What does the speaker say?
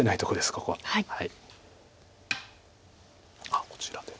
あっこちらで。